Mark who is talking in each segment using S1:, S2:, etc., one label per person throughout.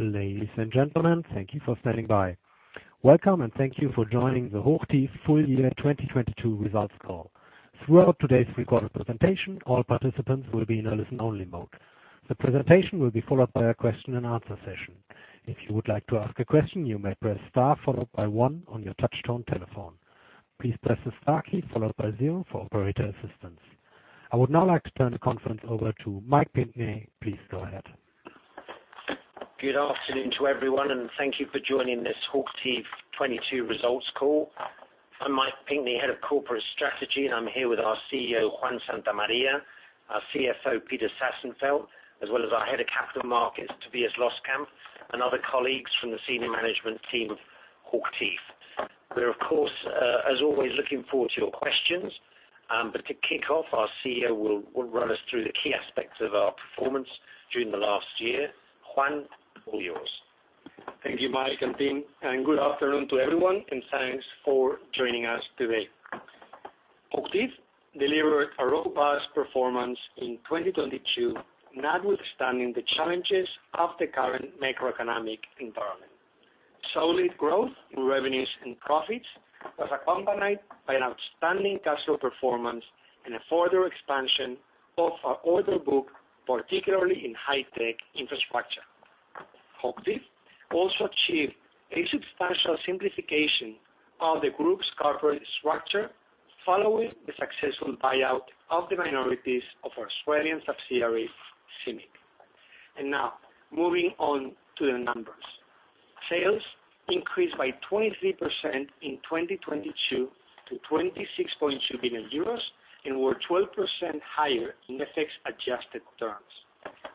S1: Ladies and gentlemen, thank you for standing by. Welcome and thank you for joining the HOCHTIEF full year 2022 results call. Throughout today's recorded presentation, all participants will be in a listen-only mode. The presentation will be followed by a question and answer session. If you would like to ask a question, you may press star followed by one on your touchtone telephone. Please press the star key followed by zero for operator assistance. I would now like to turn the conference over to Mike Pinkney. Please go ahead.
S2: Good afternoon to everyone, and thank you for joining this HOCHTIEF 2022 results call. I'm Mike Pinkney, Head of corporate strategy, and I'm here with our CEO, Juan Santamaria, our CFO, Peter Sassenfeld, as well as our Head of Capital Markets, Tobias Loskamp, and other colleagues from the senior management team of HOCHTIEF. We're, of course, as always, looking forward to your questions. To kick off, our CEO will run us through the key aspects of our performance during the last year. Juan, all yours.
S3: Thank you, Mike and team, good afternoon to everyone and thanks for joining us today. HOCHTIEF delivered a robust performance in 2022, notwithstanding the challenges of the current macroeconomic environment. Solid growth in revenues and profits was accompanied by an outstanding cash flow performance and a further expansion of our order book, particularly in high-tech infrastructure. HOCHTIEF also achieved a substantial simplification of the group's corporate structure following the successful buyout of the minorities of our Australian subsidiary, CIMIC. Now moving on to the numbers. Sales increased by 23% in 2022 to 26.2 billion euros and were 12% higher in FX adjusted terms.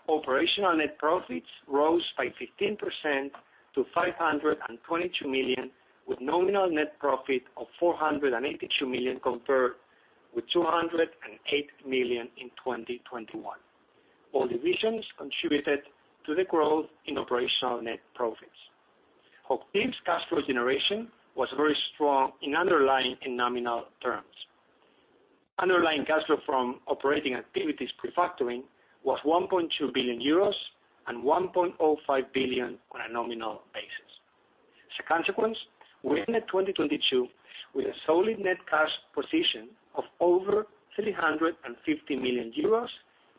S3: Operational net profits rose by 15% to 522 million, with nominal net profit of 482 million compared with 208 million in 2021. All divisions contributed to the growth in operational net profits. HOCHTIEF's cash flow generation was very strong in underlying and nominal terms. Underlying cash flow from operating activities pre-factoring was 1.2 billion euros and 1.05 billion on a nominal basis. We ended 2022 with a solid net cash position of over 350 million euros,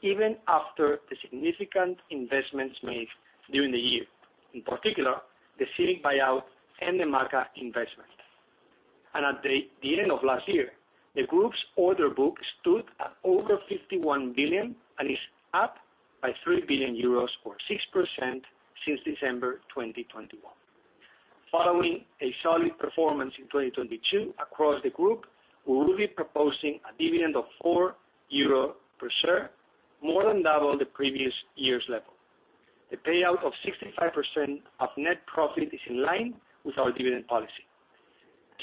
S3: even after the significant investments made during the year. In particular, the CIMIC buyout and the MACA investment. At the end of last year, the group's order book stood at over 51 billion and is up by 3 billion euros or 6% since December 2021. Following a solid performance in 2022 across the group, we will be proposing a dividend of 4 euro per share, more than double the previous year's level. The payout of 65% of net profit is in line with our dividend policy.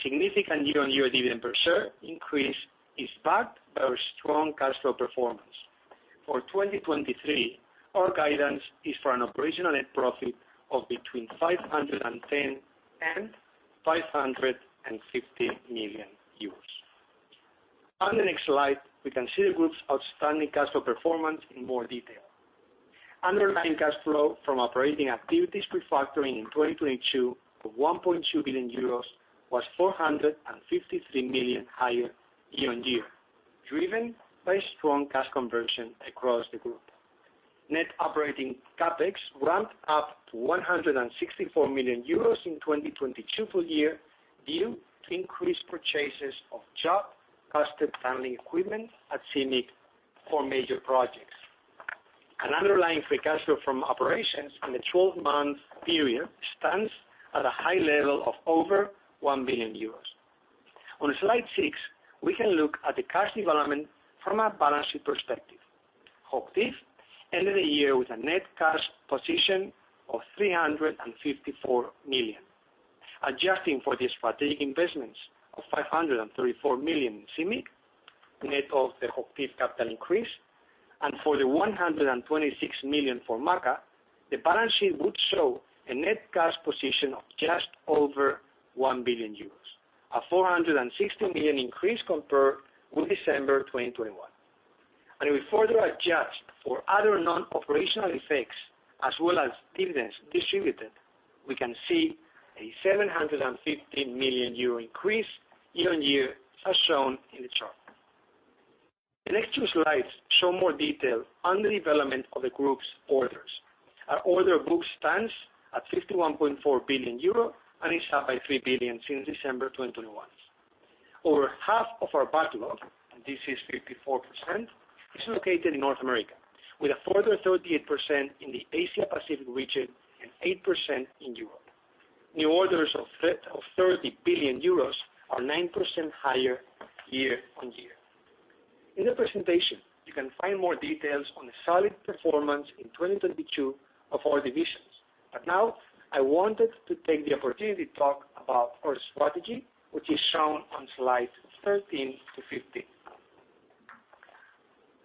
S3: Significant year-on-year dividend per share increase is backed by our strong cash flow performance. For 2023, our guidance is for an operational net profit of between 510 million and 550 million euros. On the next slide, we can see the group's outstanding cash flow performance in more detail. Underlying cash flow from operating activities pre-factoring in 2022 of 1.2 billion euros was 453 million higher year-on-year, driven by strong cash conversion across the group. Net operating CapEx ramped up to 164 million euros in 2022 full year due to increased purchases of job custom founding equipment at CIMIC for major projects. Underlying free cash flow from operations in the 12-month period stands at a high level of over 1 billion euros. On slide six, we can look at the cash development from a balance sheet perspective. HOCHTIEF ended the year with a net cash position of 354 million. Adjusting for the strategic investments of 534 million in CIMIC, net of the HOCHTIEF capital increase, and for the 126 million for MACA, the balance sheet would show a net cash position of just over 1 billion euros. A 460 million increase compared with December 2021. If we further adjust for other non-operational effects as well as dividends distributed, we can see a 750 million euro increase year-on-year, as shown in the chart. The next two slides show more detail on the development of the group's orders. Our order book stands at 51.4 billion euro and is up by 3 billion since December 2021. Over half of our backlog, and this is 54%, is located in North America, with a further 38% in the Asia Pacific region and 8% in Europe. New orders of 30 billion euros are 9% higher year on year. In the presentation, you can find more details on the solid performance in 2022 of our divisions. Now I wanted to take the opportunity to talk about our strategy, which is shown on slides 13 to 15.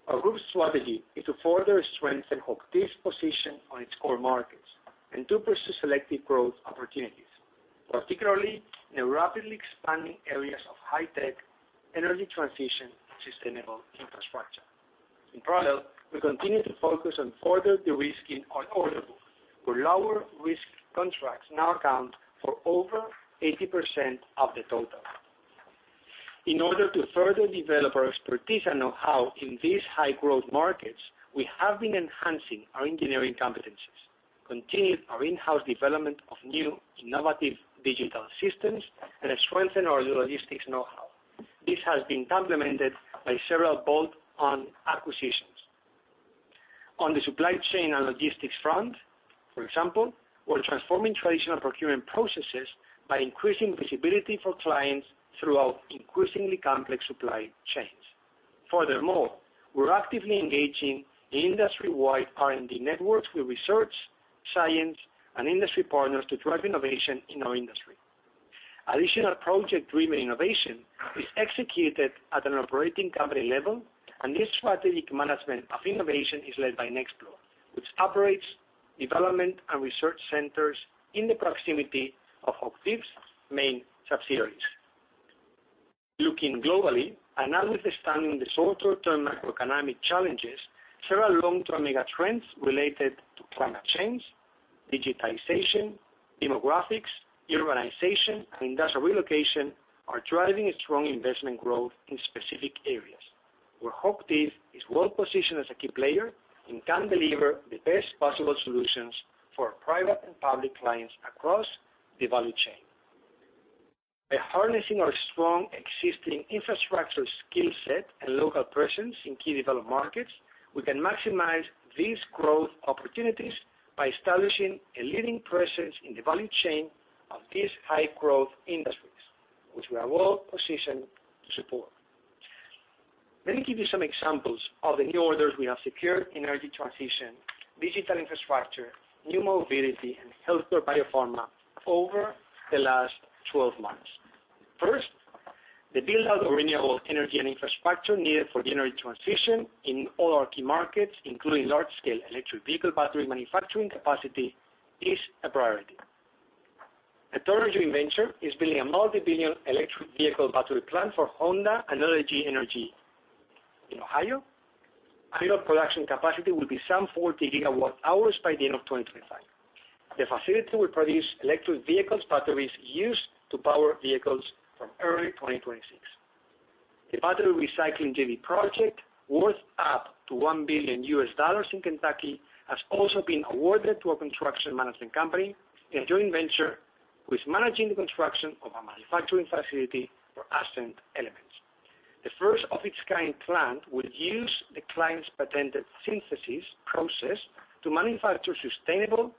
S3: Our group's strategy is to further strengthen HOCHTIEF's position on its core markets and to pursue selective growth opportunities. Particularly, in the rapidly expanding areas of high tech, energy transition, sustainable infrastructure. In parallel, we continue to focus on further de-risking our order book, where lower risk contracts now account for over 80% of the total. In order to further develop our expertise and know-how in these high-growth markets, we have been enhancing our engineering competencies, continued our in-house development of new innovative digital systems, and strengthened our logistics know-how. This has been complemented by several bolt-on acquisitions. On the supply chain and logistics front, for example, we're transforming traditional procurement processes by increasing visibility for clients throughout increasingly complex supply chains. We're actively engaging industry-wide R&D networks with research, science, and industry partners to drive innovation in our industry. Additional project-driven innovation is executed at an operating company level, and this strategic management of innovation is led by Nexplore, which operates development and research centers in the proximity of HOCHTIEF's main subsidiaries. Looking globally and understanding the shorter-term macroeconomic challenges, several long-term mega trends related to climate change, digitization, demographics, urbanization, and industrial relocation are driving a strong investment growth in specific areas, where HOCHTIEF is well-positioned as a key player and can deliver the best possible solutions for private and public clients across the value chain. By harnessing our strong existing infrastructure skill set and local presence in key developed markets, we can maximize these growth opportunities by establishing a leading presence in the value chain of these high-growth industries, which we are well-positioned to support. Let me give you some examples of the new orders we have secured in energy transition, digital infrastructure, new mobility, and healthcare biopharma over the last 12 months. First, the build-out of renewable energy and infrastructure needed for the energy transition in all our key markets, including large-scale electric vehicle battery manufacturing capacity, is a priority. A third joint venture is building a multi-billion electric vehicle battery plant for Honda and LG Energy in Ohio. Annual production capacity will be some 40 GW hours by the end of 2025. The facility will produce electric vehicles batteries used to power vehicles from early 2026. The battery recycling JV project, worth up to $1 billion in Kentucky, has also been awarded to a construction management company, a joint venture who is managing the construction of a manufacturing facility for Ascend Elements. The first-of-its-kind plant will use the client's patented synthesis process to manufacture sustainable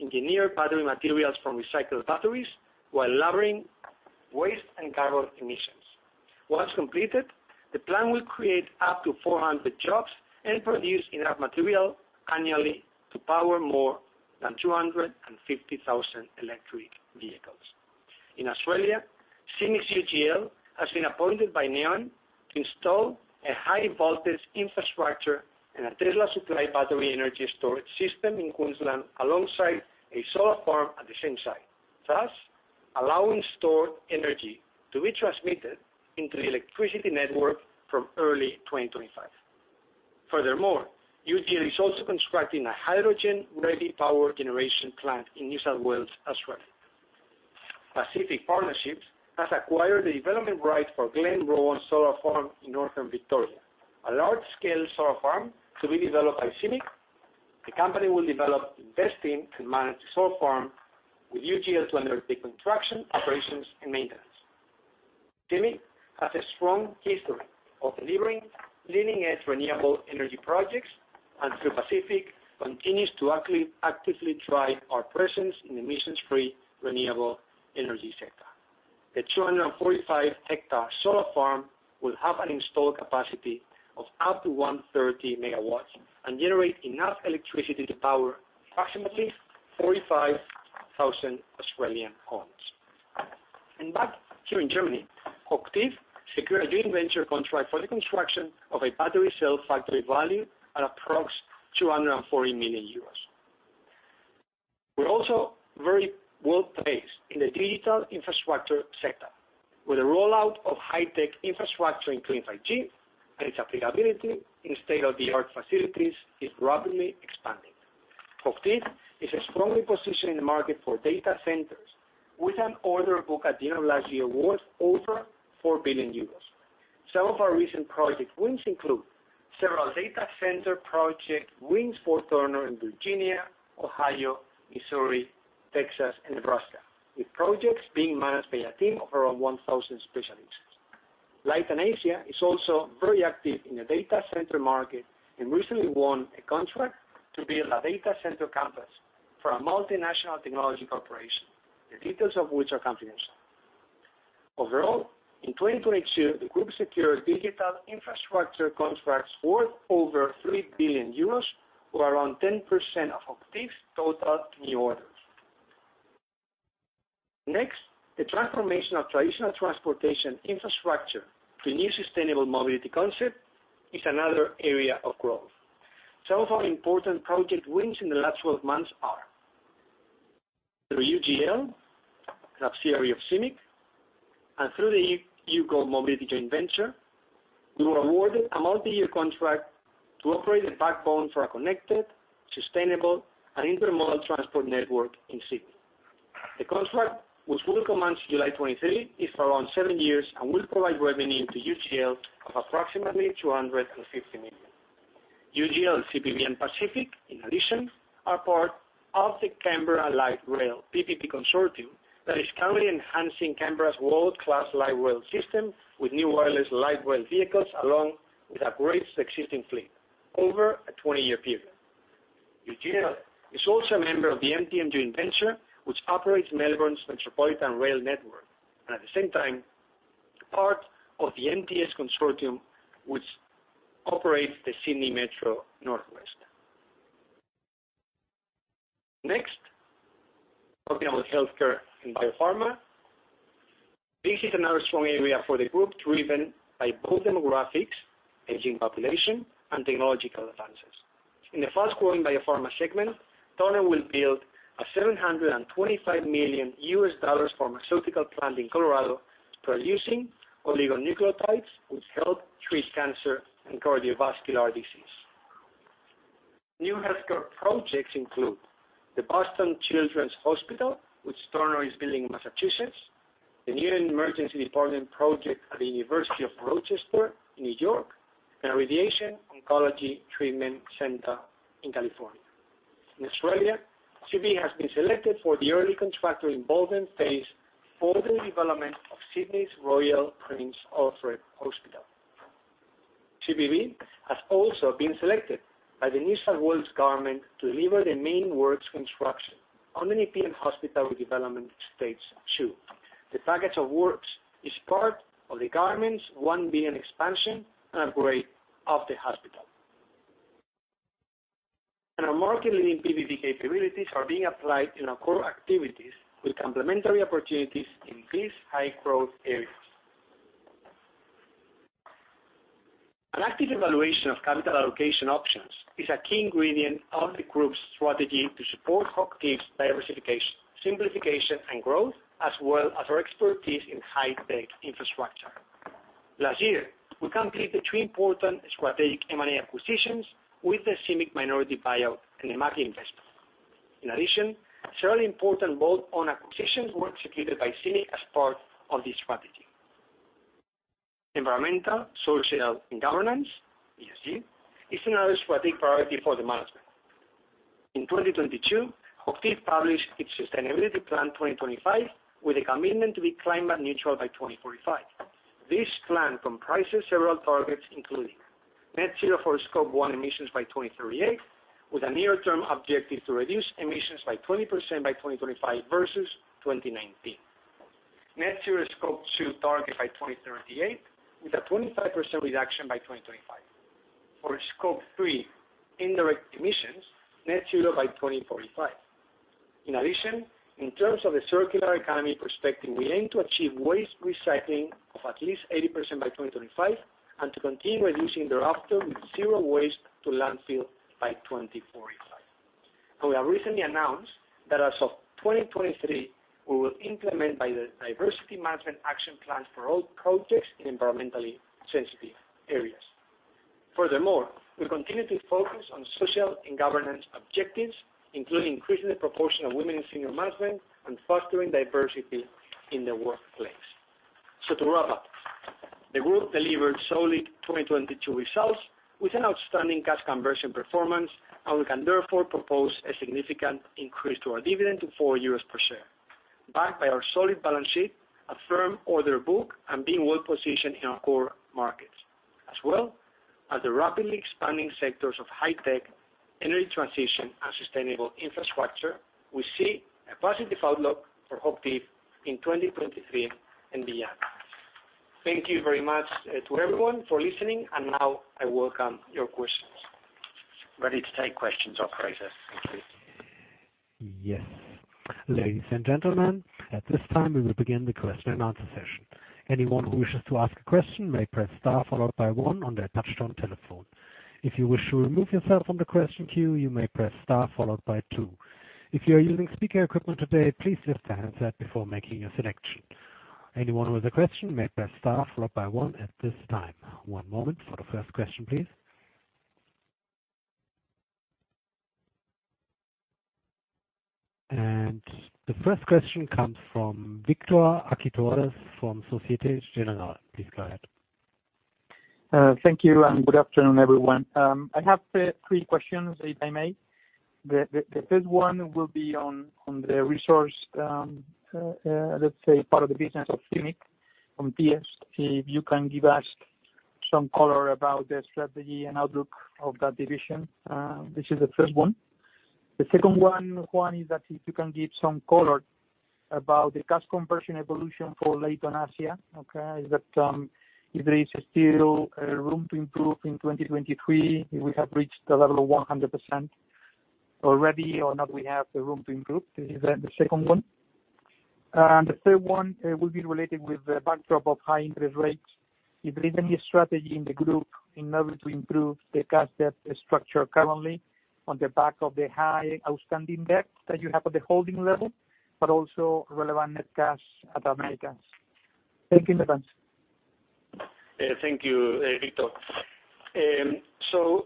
S3: engineered battery materials from recycled batteries while lowering waste and carbon emissions. Once completed, the plant will create up to 400 jobs and produce enough material annually to power more than 250,000 electric vehicles. In Australia, CIMIC UGL has been appointed by Neoen to install a high voltage infrastructure and a Tesla supply battery energy storage system in Queensland alongside a solar farm at the same site, thus allowing stored energy to be transmitted into the electricity network from early 2025. UGL is also constructing a hydrogen-ready power generation plant in New South Wales, Australia. Pacific Partnerships has acquired the development right for Glenrowan Solar Farm in Northern Victoria, a large-scale solar farm to be developed by CIMIC. The company will develop, invest in, and manage the solar farm with UGL to undertake construction, operations, and maintenance. CIMIC has a strong history of delivering leading-edge renewable energy projects, through Pacific, continues to actively drive our presence in emission-free renewable energy sector. The 245 hectares solar farm will have an installed capacity of up to 130 megawatts and generate enough electricity to power approximately 45,000 Australian homes. Back here in Germany, HOCHTIEF secured a joint venture contract for the construction of a battery cell factory valued at approx 240 million euros. We're also very well-placed in the digital infrastructure sector. With the rollout of high-tech infrastructure in clean 5G and its applicability in state-of-the-art facilities is rapidly expanding. HOCHTIEF is a strongly positioned in the market for data centers with an order book at the end of last year worth over 4 billion euros. Some of our recent project wins include several data center project wins for Turner in Virginia, Ohio, Missouri, Texas, and Nebraska, with projects being managed by a team of around 1,000 specialists. Leighton Asia is also very active in the data center market and recently won a contract to build a data center campus for a multinational technology corporation, the details of which are confidential. Overall, in 2022, the group secured digital infrastructure contracts worth over 3 billion euros or around 10% of HOCHTIEF's total new orders. The transformation of traditional transportation infrastructure to new sustainable mobility concept is another area of growth. Some of our important project wins in the last 12 months are: through UGL, a subsidiary of CIMIC, and through the U-Go Mobility joint venture, we were awarded a multi-year contract to operate the backbone for a connected, sustainable, and intermodal transport network in Sydney. The contract, which will commence July 2023, is for around seven years and will provide revenue to UGL of approximately 250 million. UGL, CPB, and Pacific, in addition, are part of the Canberra Light Rail PPP consortium that is currently enhancing Canberra's world-class light rail system with new wireless light rail vehicles, along with upgrades to the existing fleet over a 20-year period. UGL is also a member of the MTM joint venture, which operates Melbourne's metropolitan rail network, and at the same time, part of the MTS consortium, which operates the Sydney Metro Northwest. Talking about healthcare and biopharma. This is another strong area for the group, driven by both demographics, aging population, and technological advances. In the fast-growing biopharma segment, Turner will build a $725 million pharmaceutical plant in Colorado producing oligonucleotides, which help treat cancer and cardiovascular disease. New healthcare projects include the Boston Children's Hospital, which Turner is building in Massachusetts, the new emergency department project at the University of Rochester in New York, and a radiation oncology treatment center in California. In Australia, CPB has been selected for the early contractor involvement phase for the development of Sydney's Royal Prince Alfred Hospital. CPB has also been selected by the New South Wales government to deliver the main works construction on the Nepean Hospital Development Stage II. The package of works is part of the government's 1 billion expansion and upgrade of the hospital. Our market-leading PPP capabilities are being applied in our core activities with complementary opportunities in these high-growth areas. An active evaluation of capital allocation options is a key ingredient of the group's strategy to support HOCHTIEF's diversification, simplification, and growth, as well as our expertise in high-tech infrastructure. Last year, we completed 2 important strategic M&A acquisitions with the CIMIC minority buyout and the MACA investment. In addition, several important bolt-on acquisitions were executed by CIMIC as part of this strategy. Environmental, social, and governance, ESG, is another strategic priority for the management. In 2022, HOCHTIEF published its sustainability plan 2025, with a commitment to be climate neutral by 2045. This plan comprises several targets, including net zero for Scope 1 emissions by 2038, with a near-term objective to reduce emissions by 20% by 2025 versus 2019. Net zero Scope 2 target by 2038, with a 25% reduction by 2025. For Scope 3 indirect emissions, net zero by 2045. In addition, in terms of the circular economy perspective, we aim to achieve waste recycling of at least 80% by 2025, and to continue reducing thereafter with zero waste to landfill by 2045. We have recently announced that as of 2023, we will implement diversity management action plans for all projects in environmentally sensitive areas. Furthermore, we continue to focus on social and governance objectives, including increasing the proportion of women in senior management and fostering diversity in the workplace. To wrap up, the group delivered solid 2022 results with an outstanding cash conversion performance. We can therefore propose a significant increase to our dividend to 4 euros per share, backed by our solid balance sheet, a firm order book, and being well positioned in our core markets. As well as the rapidly expanding sectors of high tech, energy transition, and sustainable infrastructure, we see a positive outlook for HOCHTIEF in 2023 and beyond. Thank you very much to everyone for listening. Now I welcome your questions. Ready to take questions, operator. Thank you.
S1: Yes. Ladies and gentlemen, at this time, we will begin the question and answer session. Anyone who wishes to ask a question may press star followed by one on their touch-tone telephone. If you wish to remove yourself from the question queue, you may press star followed by two. If you are using speaker equipment today, please lift the handset before making your selection. Anyone with a question may press star followed by one at this time. One moment for the first question, please. The first question comes from Victor Acitores from Société Générale. Please go ahead.
S4: Thank you, good afternoon, everyone. I have three questions, if I may. The first one will be on the resource, let's say part of the business of CIMIC from PS. If you can give us some color about the strategy and outlook of that division. This is the first one. The second one, Juan, is that if you can give some color about the cash conversion evolution for Leighton Asia, okay? Is that if there is still room to improve in 2023? If we have reached the level of 100% already or not we have the room to improve? This is the second one. The third one will be related with the backdrop of high interest rates. If there's any strategy in the group in order to improve the cash debt structure currently on the back of the high outstanding debt that you have at the holding level. Also relevant net cash at Americas. Thank you in advance.
S3: Yeah, thank you, Victor.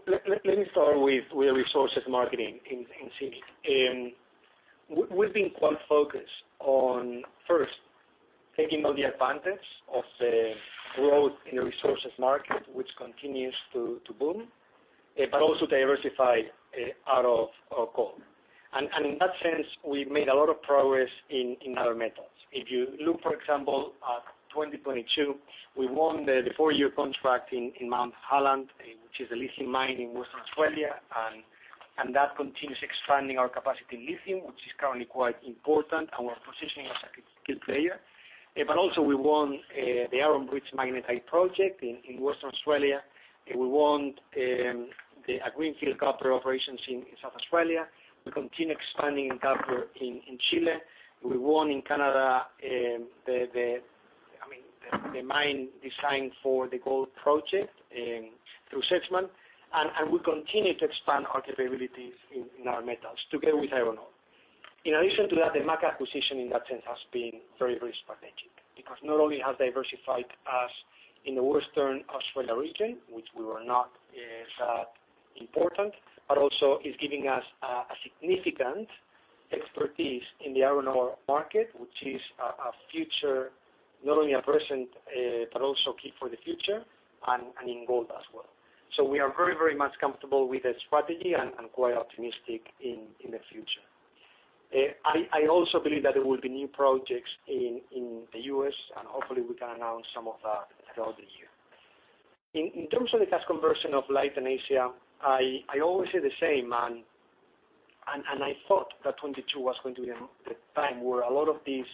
S3: Let me start with Resources Marketing in CIMIC. We've been quite focused on first taking all the advantage of the growth in the resources market, which continues to boom, but also diversify out of coal. In that sense, we've made a lot of progress in other metals. If you look, for example, at 2022, we won the four-year contract in Mount Holland, which is a lithium mine in Western Australia. That continues expanding our capacity in lithium, which is currently quite important, and we're positioning as a key player. But also we won the Iron Bridge Magnetite project in Western Australia. We won a greenfield copper operations in South Australia. We continue expanding in copper in Chile. We won in Canada, the mine designed for the gold project through Sedgman. We continue to expand our capabilities in our metals together with iron ore. In addition to that, the MAC acquisition in that sense has been very, very strategic because not only has diversified us in the Western Australia region, which we were not as important, but also is giving us a significant expertise in the iron ore market, which is a future, not only a present, but also key for the future and in gold as well. We are very, very much comfortable with the strategy and quite optimistic in the future. I also believe that there will be new projects in the U.S., and hopefully we can announce some of that throughout the year. In terms of the cash conversion of Leighton Asia, I always say the same, and I thought that 2022 was going to be the time where a lot of these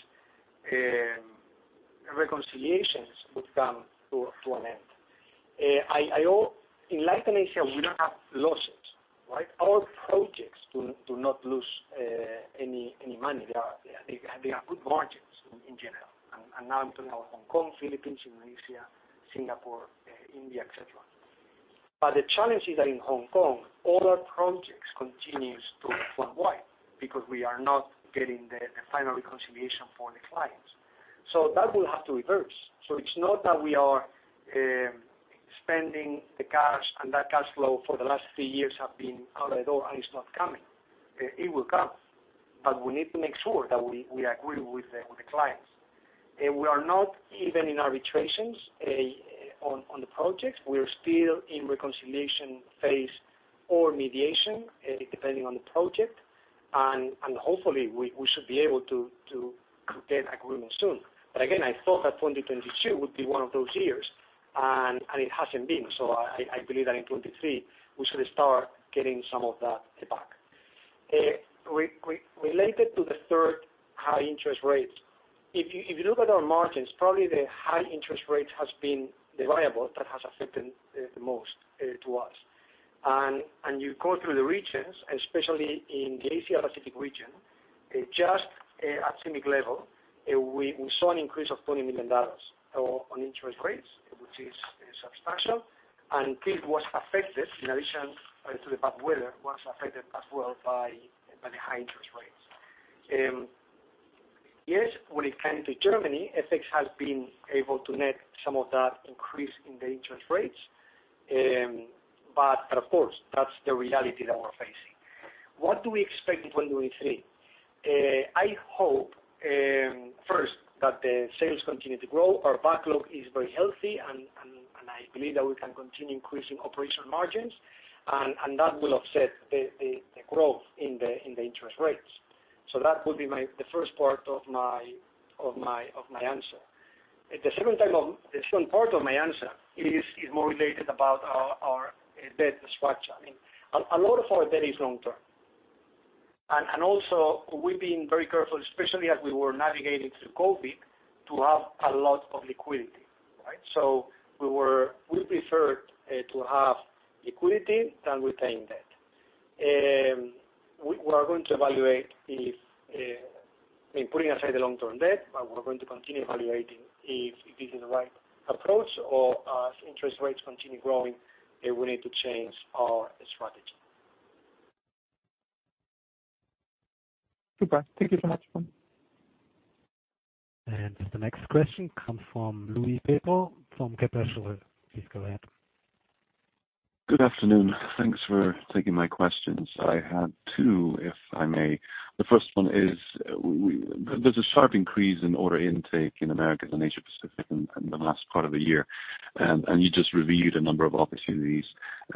S3: reconciliations would come to an end. In Latin Asia, we don't have losses, right? Our projects do not lose any money. They have good margins in general. Now I'm talking about Hong Kong, Philippines, Indonesia, Singapore, India, et cetera. The challenge is that in Hong Kong, all our projects continues to flatline because we are not getting the final reconciliation for the clients. That will have to reverse. It's not that we are spending the cash and that cash flow for the last three years have been out the door and it's not coming. It will come, we need to make sure that we agree with the clients. We are not even in arbitrations on the projects. We are still in reconciliation phase or mediation, depending on the project. Hopefully we should be able to get agreement soon. Again, I thought that 2022 would be one of those years and it hasn't been. I believe that in 2023 we should start getting some of that back. Related to the third high interest rates, if you look at our margins, probably the high interest rate has been the variable that has affected the most to us. You go through the regions, especially in the Asia Pacific region, just at CIMIC level, we saw an increase of 20 million dollars on interest rates, which is substantial. It was affected, in addition, to the bad weather, was affected as well by the high interest rates. Yes, when it came to Germany, FX has been able to net some of that increase in the interest rates. Of course, that's the reality that we're facing. What do we expect in 2023? I hope, first that the sales continue to grow. Our backlog is very healthy and I believe that we can continue increasing operational margins and that will offset the growth in the interest rates. That would be the first part of my answer. The second part of my answer is more related about our debt structure. I mean, a lot of our debt is long term. Also we've been very careful, especially as we were navigating through COVID, to have a lot of liquidity, right? We preferred to have liquidity than retain debt. We are going to evaluate if, I mean, putting aside the long-term debt, we're going to continue evaluating if this is the right approach or as interest rates continue growing, if we need to change our strategy.
S4: Super. Thank you so much.
S1: The next question comes from Luis Prieto from Kepler Cheuvreux. Please go ahead.
S5: Good afternoon. Thanks for taking my questions. I have 2, if I may. The first one is there's a sharp increase in order intake in Americas and Asia Pacific in the last part of the year. You just reviewed a number of opportunities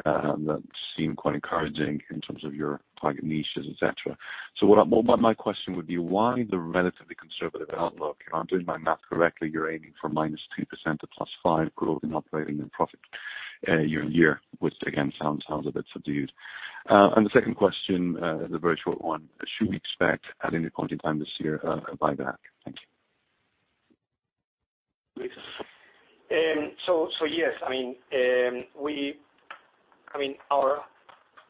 S5: that seem quite encouraging in terms of your target niches, et cetera. Well, my question would be why the relatively conservative outlook? If I'm doing my math correctly, you're aiming for -2% to +5% growth in operating and profit year-over-year, which again sounds a bit subdued. The second question is a very short one. Should we expect at any point in time this year a buyback? Thank you.
S3: Yes, I mean,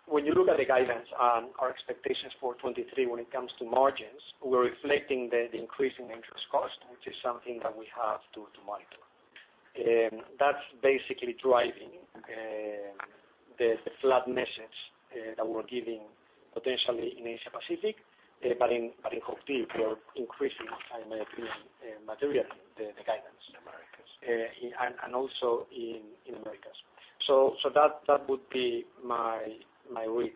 S3: when you look at the guidance on our expectations for 23 when it comes to margins, we're reflecting the increase in interest cost, which is something that we have to monitor. That's basically driving the flat message that we're giving potentially in Asia Pacific, but in HOCHTIEF, we're increasing in my opinion materially the guidance in Americas, and also in Americas. That would be my read.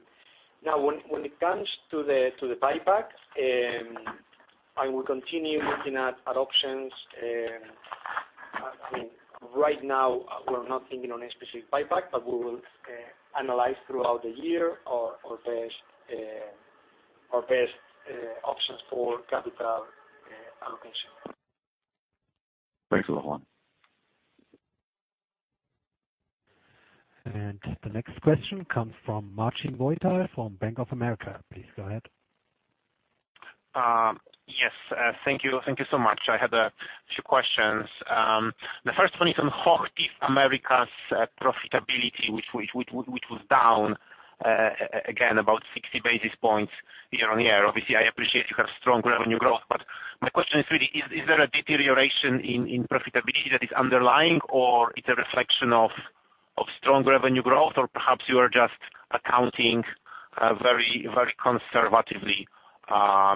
S3: When it comes to the buyback, I will continue looking at options. I mean, right now we're not thinking on a specific buyback, but we will analyze throughout the year our best options for capital allocation.
S5: Thanks a lot, Juan.
S1: The next question comes from Marcin Wojtal from Bank of America. Please go ahead.
S6: Yes. Thank you. Thank you so much. I had a few questions. The first one is on HOCHTIEF Americas' profitability, which was down again about 60 basis points year-on-year. Obviously, I appreciate you have strong revenue growth, but my question is really, is there a deterioration in profitability that is underlying or it's a reflection of strong revenue growth? Perhaps you are just accounting very, very conservatively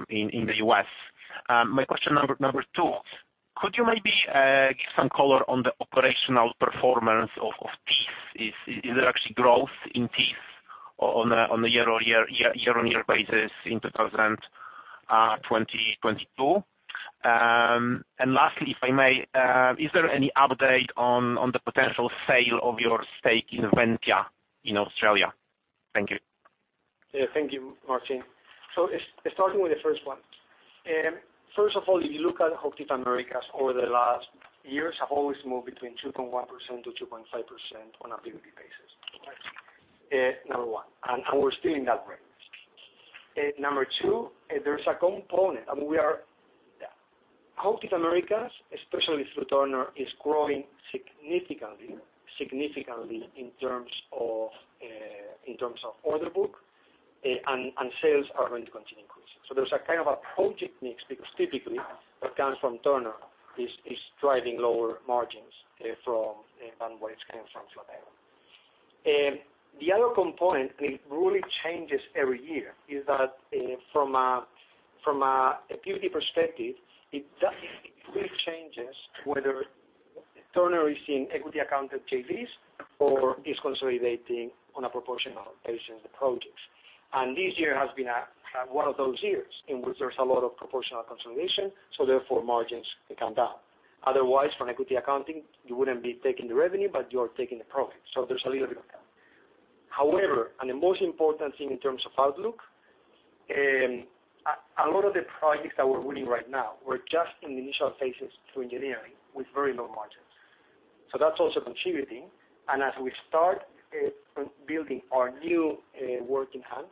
S6: in the U.S.? My question number two, could you maybe give some color on the operational performance of Thiess? Is there actually growth in Thiess on a year-over-year, year-on-year basis in 2022? lastly, if I may, is there any update on the potential sale of your stake in Ventia in Australia? Thank you.
S3: Yeah, thank you, Marcin. Starting with the first one. First of all, if you look at HOCHTIEF Americas over the last years have always moved between 2.1%-2.5% on a PBT basis. Number one, and we're still in that range. Number two, there's a component. I mean, HOCHTIEF Americas, especially through Turner, is growing significantly in terms of order book, and sales are going to continue increasing. There's a kind of a project mix, because typically what comes from Turner is driving lower margins from than what is coming from Flatiron. The other component, and it really changes every year, is that from a, from a PBT perspective, it does really changes whether Turner is in equity account of JVs or is consolidating on a proportional basis the projects. This year has been a one of those years in which there's a lot of proportional consolidation, so therefore margins come down. Otherwise from equity accounting, you wouldn't be taking the revenue, but you are taking the profit. There's a little bit of that. However, and the most important thing in terms of outlook, a lot of the projects that we're winning right now, we're just in the initial phases through engineering with very low margins. That's also contributing. As we start building our new work in hand,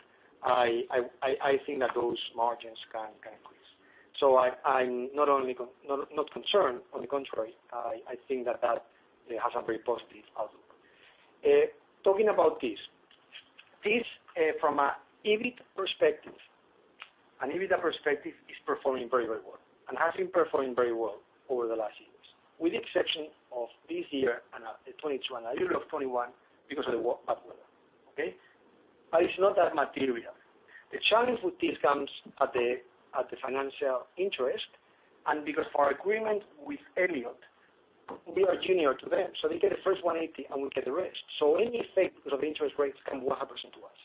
S3: I think that those margins can increase. I'm not only not concerned, on the contrary, I think that it has a very positive outlook. Talking about TECE. TECE, from an EBIT perspective, an EBITDA perspective is performing very, very well and has been performing very well over the last years. With the exception of this year and 2022, and a little of 2021 because of the bad weather. Okay? It's not that material. The challenge with TECE comes at the financial interest. Because our agreement with Elliot, we are junior to them, so they get the first 180, and we get the rest. Any effect of interest rates come 100% to us.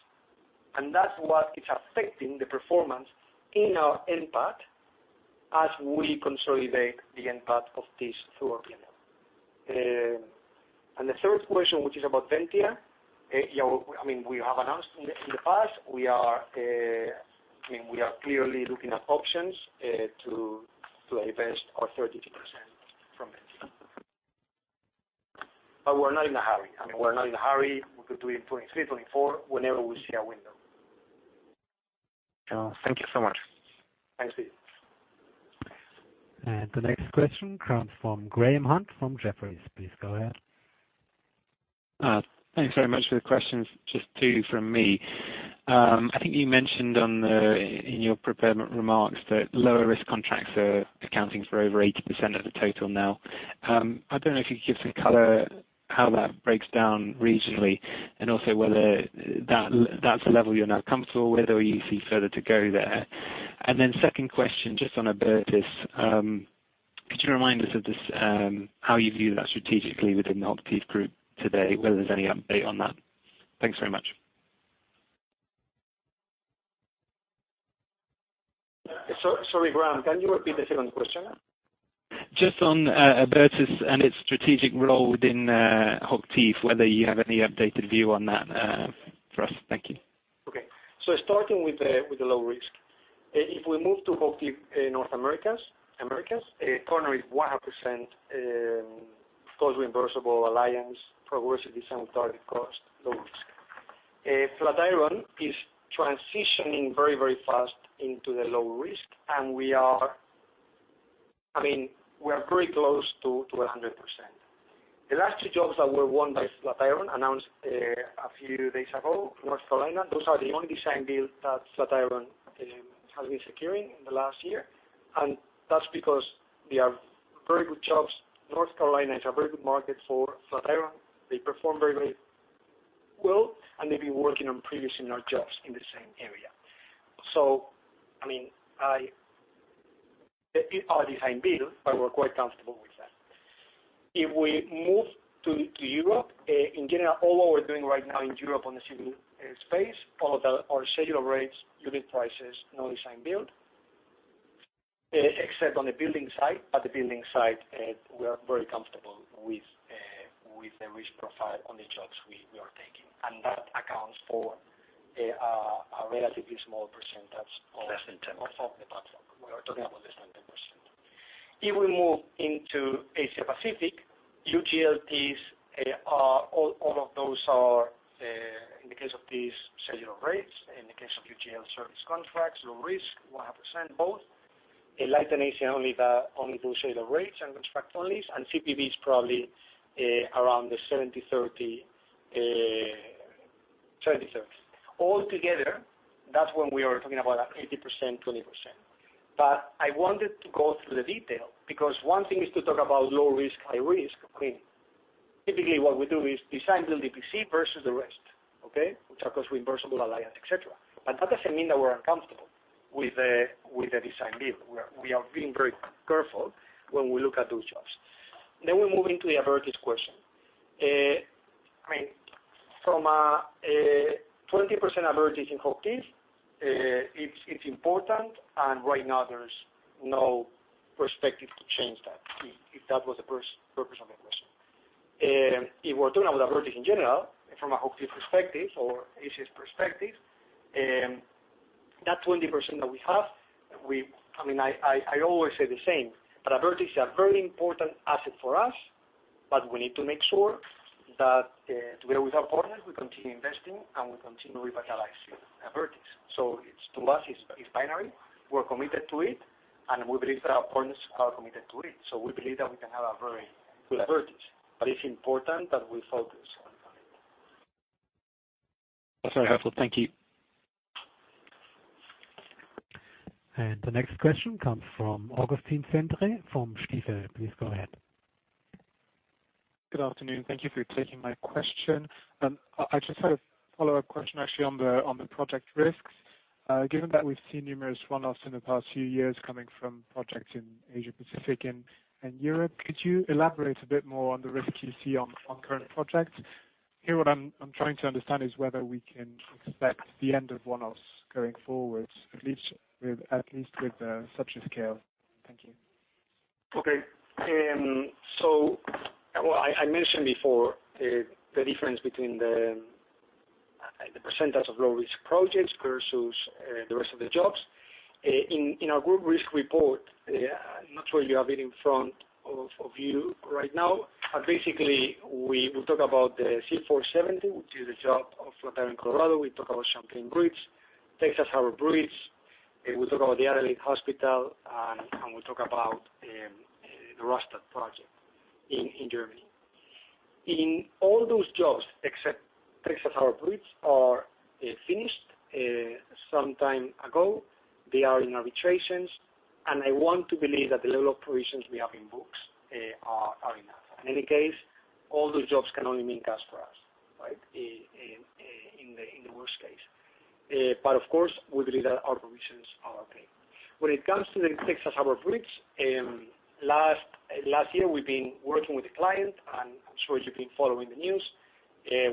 S3: That's what is affecting the performance in our NPAT as we consolidate the NPAT of TECE through our P&L. The third question, which is about Ventia. yeah, I mean, we have announced in the, in the past, we are, I mean, we are clearly looking at options to divest our 32% from Ventia. We're not in a hurry. I mean, we're not in a hurry. We could do it in 2023, 2024, whenever we see a window.
S6: Thank you so much.
S3: Thanks to you.
S1: The next question comes from Graham Hunt from Jefferies. Please go ahead.
S7: Thanks very much for the questions. Just two from me. I think you mentioned in your prepared remarks that lower risk contracts are accounting for over 80% of the total now. I don't know if you could give some color how that breaks down regionally and also whether that's a level you're now comfortable with or you see further to go there. Second question, just on Abertis. Could you remind us of this, how you view that strategically within the HOCHTIEF Group today, whether there's any update on that? Thanks very much.
S3: Sorry, Graham, can you repeat the second question?
S7: Just on, Abertis and its strategic role within, HOCHTIEF, whether you have any updated view on that, for us. Thank you.
S3: Okay. Starting with the, with the low risk. If we move to HOCHTIEF, North Americas, Turner is 100% cost reversible alliance, progressive design and target cost, low risk. Flatiron is transitioning very, very fast into the low risk. We are, I mean, we are pretty close to 100%. The last 2 jobs that were won by Flatiron announced a few days ago, North Carolina. Those are the only design build that Flatiron has been securing in the last year. That's because they are very good jobs. North Carolina is a very good market for Flatiron. They perform very, very well, and they've been working on previous similar jobs in the same area. I mean, they are design build, but we're quite comfortable with that. If we move to Europe, in general, all what we're doing right now in Europe on the civil space, our schedule rates, unit prices, no design build. Except on the building side. At the building side, we are very comfortable with the risk profile on the jobs we are taking. That accounts for a relatively small percentage of-
S7: Less than 10%.
S3: Of the platform. We are talking about less than 10%. If we move into Asia Pacific, UGL these, all of those are in the case of these scheduled rates, in the case of UGL service contracts, low risk, 100% both. In Latin Asia, only those scheduled rates and contract only. CPB is probably around the 70/30. All together, that's when we are talking about 80%, 20%. I wanted to go through the detail because one thing is to talk about low risk, high risk. I mean, typically what we do is design build EPC versus the rest. Okay? Which are cost reimbursable, alliance, et cetera. That doesn't mean that we're uncomfortable with the design build. We are being very careful when we look at those jobs. We move into the Abertis question. From a 20% Abertis in HOCHTIEF, it's important, and right now there's no perspective to change that, if that was the purpose of your question. If we're talking about Abertis in general from a HOCHTIEF perspective or ACS perspective, that 20% that we have, I always say the same, that Abertis is a very important asset for us, but we need to make sure that together with our partners, we continue investing and we continue revitalizing Abertis. It's, to us, it's binary. We're committed to it, and we believe that our partners are committed to it. We believe that we can have a very good Abertis. It's important that we focus on that.
S7: That's very helpful. Thank you.
S1: The next question comes from Augustin Cendre from Stifel. Please go ahead.
S8: Good afternoon. Thank you for taking my question. I just had a follow-up question actually on the project risks. Given that we've seen numerous one-offs in the past few years coming from projects in Asia Pacific and Europe, could you elaborate a bit more on the risk you see on current projects? Here what I'm trying to understand is whether we can expect the end of one-offs going forward, at least with such a scale. Thank you.
S3: Okay. Well, I mentioned before, the difference between the percentage of low risk projects versus the rest of the jobs. In our group risk report, I'm not sure you have it in front of you right now. Basically, we talk about the C470, which is a job of Flatiron Colorado. We talk about Champlain Bridge, Texas Harbor Bridge. We talk about the Adelaide Hospital, and we talk about the Rastatt project in Germany. In all those jobs, except Texas Harbor Bridge, are finished some time ago. They are in arbitrations. I want to believe that the level of provisions we have in books are enough. In any case, all those jobs can only mean cash for us, right? In the worst case. Of course, we believe that our provisions are okay. When it comes to the Texas Harbor Bridge, last year, we've been working with the client, I'm sure you've been following the news.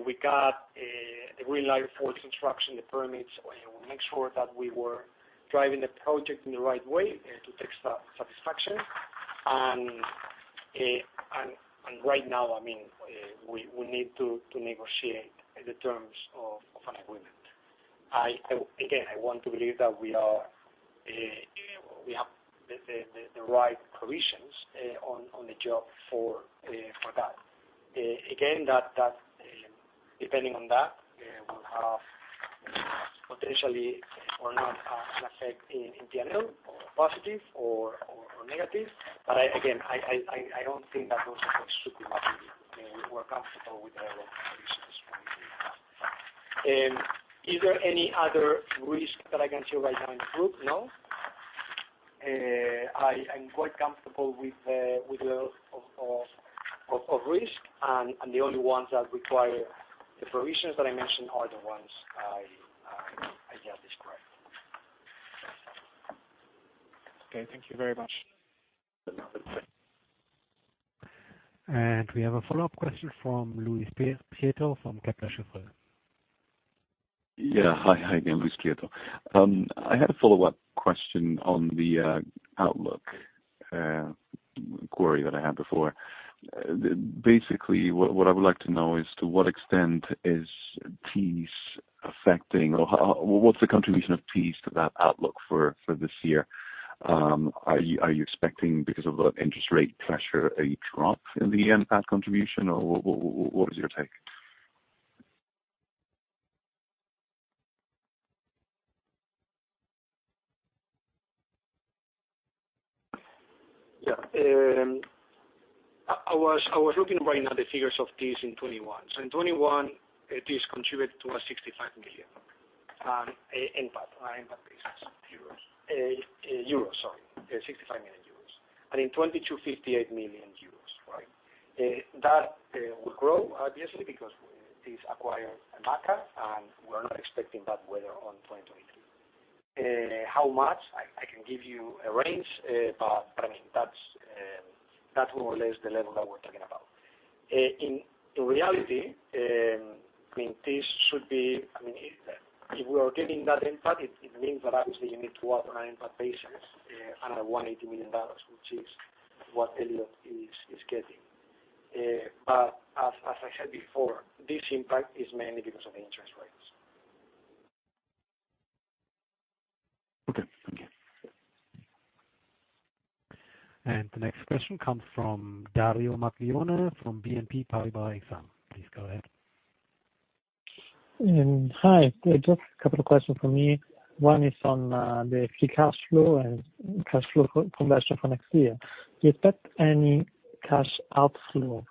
S3: We got the green light for the construction, the permits. We make sure that we were driving the project in the right way, to Texas' satisfaction. Right now, I mean, we need to negotiate the terms of an agreement. Again, I want to believe that we have the right provisions on the job for that. Again, that, depending on that, will have potentially or not have an effect in TML or positive or negative. I, again, I don't think that those effects should be negative. We're comfortable with the level of provisions we have. Is there any other risk that I can share right now in the group? No. I am quite comfortable with the level of risk. The only ones that require the provisions that I mentioned are the ones I just described.
S8: Okay. Thank you very much.
S1: We have a follow-up question from Luis Prieto from Kepler Cheuvreux.
S5: Hi. Hi again, Luis Prieto. I had a follow-up question on the outlook query that I had before. Basically, what I would like to know is to what extent is Peace affecting or what's the contribution of Peace to that outlook for this year? Are you expecting because of the interest rate pressure a drop in the NPAT contribution or what is your take?
S3: Yeah. I was looking right now the figures of this in 2021. In 2021, this contributed to a 65 million NPAT NPAT basis.
S5: Euros.
S3: euros, sorry. 65 million euros. In 2022, 58 million euros, right? That will grow obviously because this acquired MACA. We're not expecting that weather on 2023. How much? I can give you a range. I mean, that's more or less the level that we're talking about. In reality, I mean, if we are getting that NPAT, it means that obviously you need to operate on NPAT basis under $180 million, which is what Elliot is getting. As I said before, this impact is mainly because of interest rates.
S5: Okay. Thank you.
S1: The next question comes from Dario Maglione from BNP Paribas Exane. Please go ahead.
S9: Hi. Just a couple of questions from me. One is on the free cash flow and cash flow conversion for next year. Do you expect any cash outflow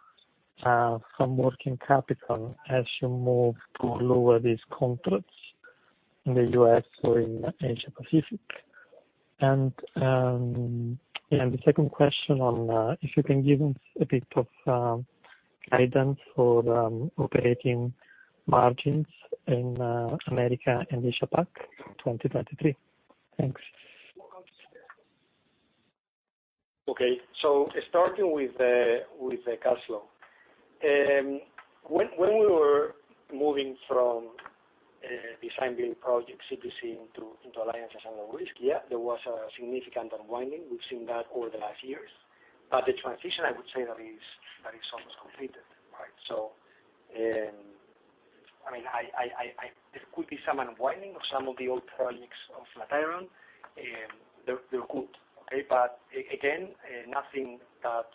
S9: from working capital as you move to lower these contracts in the U.S. or in Asia Pacific? The second question on if you can give us a bit of guidance for the operating margins in America and Asia Pac 2023. Thanks.
S3: Okay. Starting with the cash flow. When we were moving from design build projects, CPC into alliances and risk, there was a significant unwinding. We've seen that over the last years. The transition, I would say that is almost completed, right? I mean, there could be some unwinding of some of the old projects of Flatiron. They're good, okay? Again, nothing that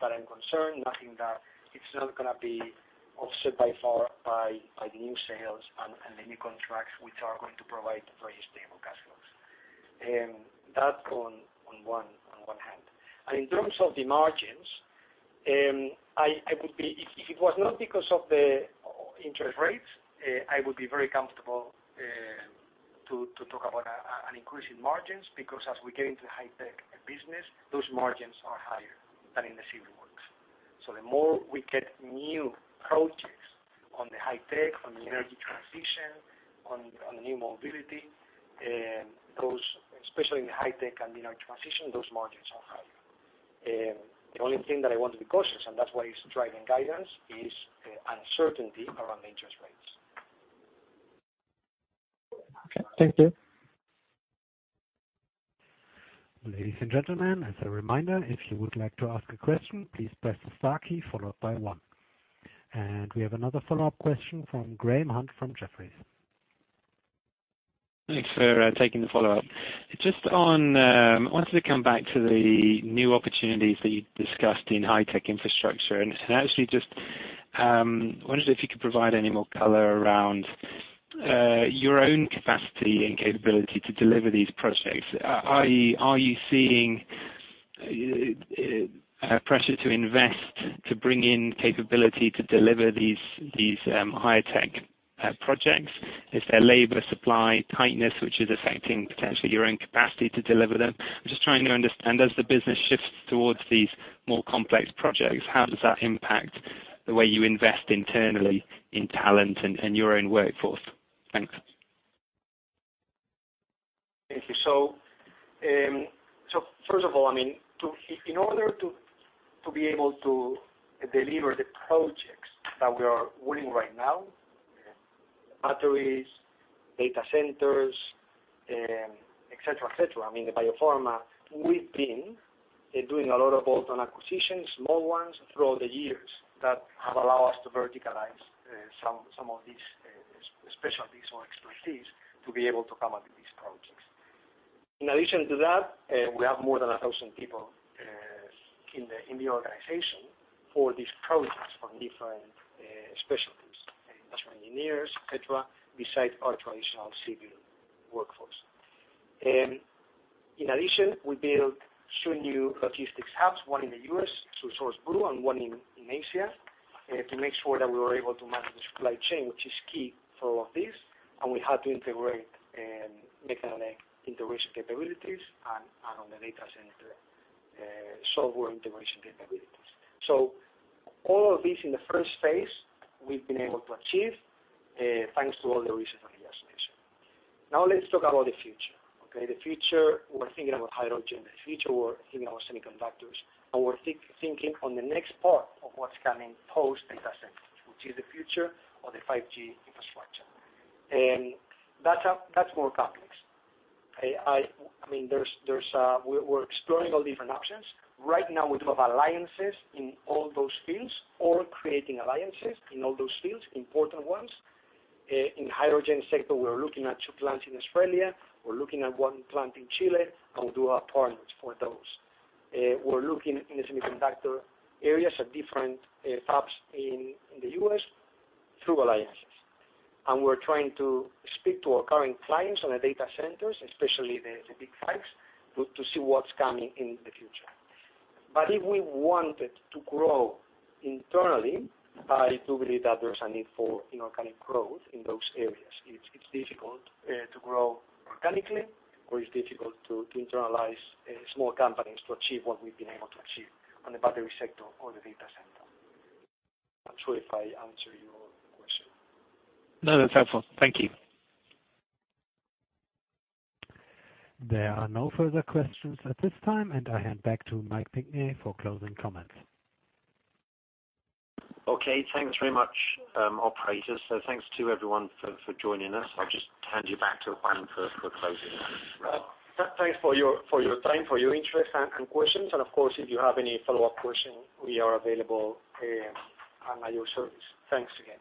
S3: I'm concerned, nothing that it's not gonna be offset by far by the new sales and the new contracts, which are going to provide very stable cash flows. That on one hand. In terms of the margins, I would be... If it was not because of the interest rates, I would be very comfortable to talk about an increase in margins because as we get into the high tech business, those margins are higher than in the civil works. The more we get new projects on the high tech, on the energy transition, on the new mobility, those, especially in the high tech and the energy transition, those margins are higher. The only thing that I want to be cautious, and that's why it's driving guidance, is uncertainty around interest rates.
S9: Okay. Thank you.
S1: Ladies and gentlemen, as a reminder, if you would like to ask a question, please press the star key followed by one. We have another follow-up question from Graham Hunt from Jefferies.
S7: Thanks for taking the follow-up. Just on, I wanted to come back to the new opportunities that you discussed in high-tech infrastructure. Actually just, wondered if you could provide any more color around your own capacity and capability to deliver these projects. Are you seeing a pressure to invest to bring in capability to deliver these high-tech projects? Is there labor supply tightness which is affecting potentially your own capacity to deliver them? I'm just trying to understand, as the business shifts towards these more complex projects, how does that impact the way you invest internally in talent and your own workforce? Thanks.
S3: Thank you. First of all, I mean, in order to be able to deliver the projects that we are winning right now, batteries, data centers, et cetera, et cetera, I mean, the biopharma, we've been doing a lot of bolt-on acquisitions, small ones throughout the years that have allowed us to verticalize some of these specialties or expertise to be able to come up with these projects. In addition to that, we have more than 1,000 people in the organization for these projects from different specialties, industrial engineers, et cetera, besides our traditional civil workforce. In addition, we built two new logistics hubs, one in the US through Source Blue and one in Asia, to make sure that we were able to manage the supply chain, which is key for all of this. We had to integrate mechanical integration capabilities and on the data center, software integration capabilities. All of this in the first phase, we've been able to achieve, thanks to all the reasons I just mentioned. Now let's talk about the future, okay? The future, we're thinking about hydrogen. The future, we're thinking about semiconductors. We're thinking on the next part of what's coming post data center, which is the future of the 5G infrastructure. That's more complex. I mean, there's. We're exploring all different options. Right now we do have alliances in all those fields or creating alliances in all those fields, important ones. In hydrogen sector, we are looking at 2 plants in Australia. We're looking at 1 plant in Chile, and we do have partners for those. We're looking in the semiconductor areas at different hubs in the U.S. through alliances. We're trying to speak to our current clients on the data centers, especially the big hikes, to see what's coming in the future. If we wanted to grow internally, I do believe that there's a need for inorganic growth in those areas. It's difficult to grow organically, or it's difficult to internalize small companies to achieve what we've been able to achieve on the battery sector or the data center. Not sure if I answered your question.
S7: No, that's helpful. Thank you.
S1: There are no further questions at this time, and I hand back to Mike Pinkney for closing comments.
S2: Okay. Thanks very much, operators. Thanks to everyone for joining us. I'll just hand you back to Juan for closing remarks.
S3: Thanks for your time, for your interest and questions. Of course, if you have any follow-up questions, we are available at your service. Thanks again.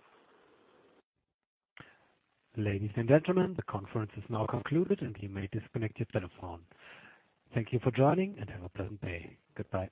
S1: Ladies and gentlemen, the conference is now concluded, and you may disconnect your telephone. Thank you for joining, and have a pleasant day. Goodbye.